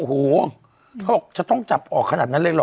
มีการแบบว่าจะต้องจับออกขนาดนั้นเลยเหรอ